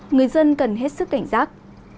người dân cần hết sức cảnh giác